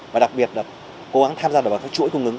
và đặc biệt là cố gắng tham gia vào các chuỗi cung ứng